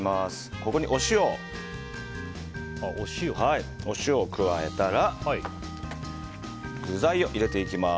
ここにお塩を加えたら具材を入れていきます。